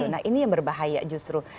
nah ini yang berbahaya justru